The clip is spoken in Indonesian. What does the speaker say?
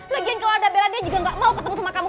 lagian kalau ada bella dia juga enggak mau ketemu sama kamu